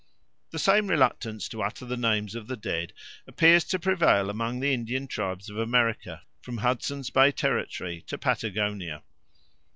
The same reluctance to utter the names of the dead appears to prevail among all the Indian tribes of America from Hudson's Bay Territory to Patagonia.